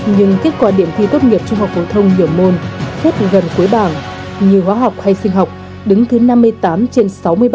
nhưng kết quả điểm thi tốt nghiệp trung học phổ thông nhiều môn gần cuối bảng như hóa học hay sinh học đứng thứ năm mươi tám trên sáu mươi ba